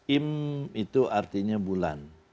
im itu artinya bulan